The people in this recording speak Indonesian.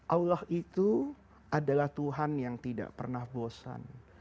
allah itu adalah tuhan yang tidak pernah bosan